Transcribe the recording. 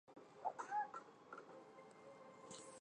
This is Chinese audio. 后在汴梁练兵。